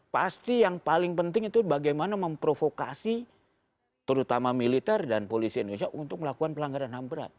pasti yang paling penting itu bagaimana memprovokasi terutama militer dan polisi indonesia untuk melakukan pelanggaran ham berat